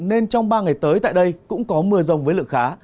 nên trong ba ngày tới tại đây cũng có mưa rông với lượng khá